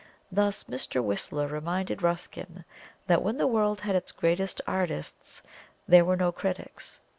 Thus Mr. WHISTLER reminded RUSKIN that when the world had its greatest artists, there were no critics.